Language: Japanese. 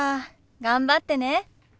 頑張ってね。